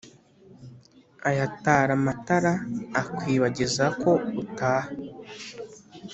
Ayatara matara akwibagiza ko utaha